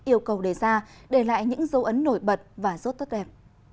yêu cầu đề ra để lại những dấu ấn nổi bật và rốt tốt đẹp